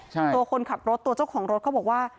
ตัวคนขับรถตัวเจ้าของรถเขาบอกว่า